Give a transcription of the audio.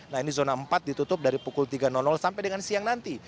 nah ini zona empat ditutup dari pukul tiga sampai dengan siang nanti